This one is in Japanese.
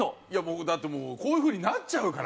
だってもうこういう風になっちゃうから。